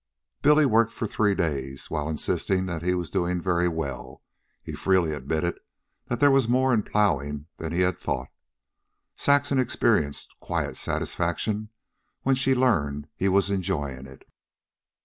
Billy worked for three days, and while insisting that he was doing very well, he freely admitted that there was more in plowing than he had thought. Saxon experienced quiet satisfaction when she learned he was enjoying it.